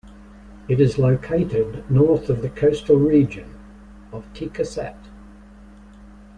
It is located north of the coastal region of Tiquisate.